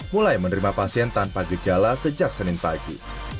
mulai menerima pasien tanpa gejala sejak senin pagi